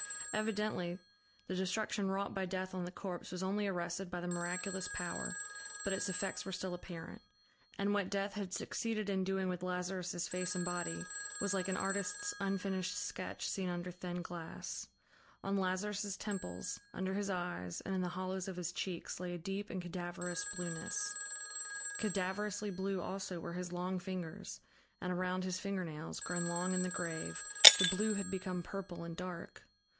Evidently, the destruction wrought by death on the corpse was only arrested by the miraculous power, but its effects were still apparent; and what death had succeeded in doing with Lazarus' face and body, was like an artist's unfinished sketch seen under thin glass. On Lazarus' temples, under his eyes, and in the hollows of his cheeks, lay a deep and cadaverous blueness; cadaverously blue also were his long fingers, and around his fingernails, grown long in the grave, the blue had become purple and dark.